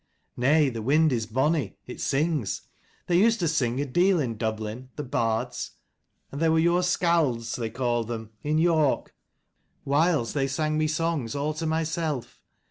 " Nay, the wind is bonny. It sings. They used to sing a deal in Dublin, the bards, and there were your skalds, they called them, in York : whiles they sang me songs all to myself.